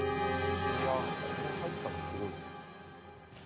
これ入ったらすごいよね。